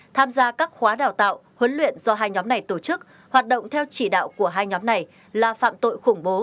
tham gia các khóa đào tạo huấn luyện do hai nhóm này tổ chức hoạt động theo chỉ đạo của hai nhóm này là phạm tội khủng bố